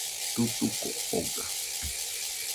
Tutuco oga.